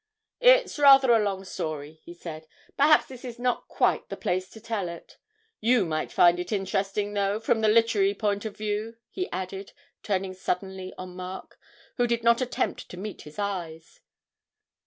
'It's rather a long story,' he said; 'perhaps this is not quite the place to tell it. You might find it interesting, though, from the literary point of view,' he added, turning suddenly on Mark, who did not attempt to meet his eyes.